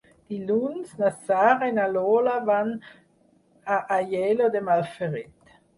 Dilluns na Sara i na Lola van a Aielo de Malferit.